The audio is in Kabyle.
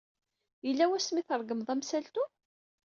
Yella wasmi ay tregmeḍ amsaltu?